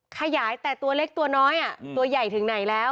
ขยายแต่ตัวเล็กตัวน้อยตัวใหญ่ถึงไหนแล้ว